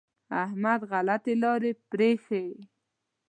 احمد غلطې لارې پرېښې.